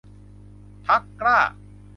พรรคกล้า